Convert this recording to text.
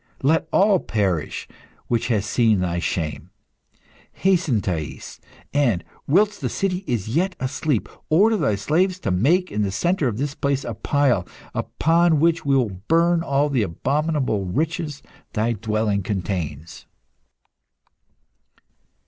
Let all perish which has seen thy shame! Hasten, Thais, and, whilst the city is yet asleep, order thy slaves to make, in the centre of this place, a pile, upon which we will burn all the abominable riches thy dwelling contains."